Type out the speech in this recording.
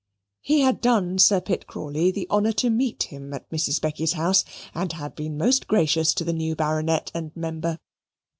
He had done Sir Pitt Crawley the honour to meet him at Mrs. Becky's house and had been most gracious to the new Baronet and member.